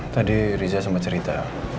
tadi riza sumpah cerita